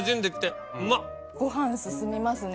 ご飯進みますね